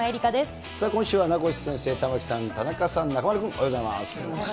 さあ、今週は名越先生、玉城さん、田中さん、中丸君、おはようございます。